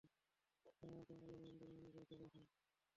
যার মাধ্যমে আল্লাহ মুমিনদের ঈমানের পরীক্ষা করেছেন।